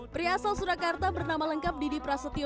pria asal surakarta bernama lengkap didi prasetyo